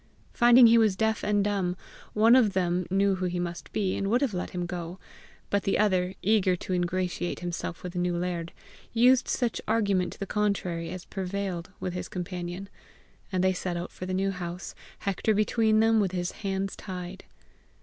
Finding he was deaf and dumb, one of them knew who he must be, and would have let him go; but the other, eager to ingratiate himself with the new laird, used such, argument to the contrary as prevailed with his companion, and they set out for the New House, Hector between them with his hands tied.